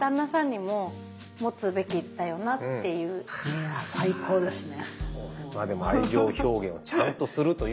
いや最高ですね。